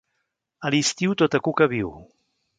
A l’estiu tota cuca viu.